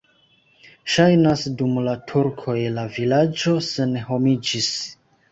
Ŝajnas, dum la turkoj la vilaĝo senhomiĝis.